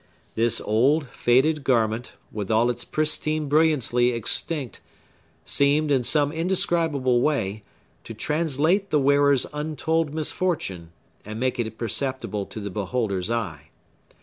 This old, faded garment, with all its pristine brilliancy extinct, seemed, in some indescribable way, to translate the wearer's untold misfortune, and make it perceptible to the beholder's eye.